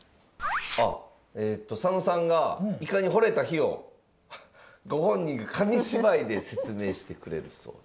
あっ佐野さんがイカにほれた日をご本人が紙芝居で説明してくれるそうです。